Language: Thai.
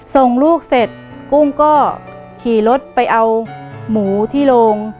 ส่งลูกเสร็จกุ้งก็ขี่รถไปเอาหมูที่โรง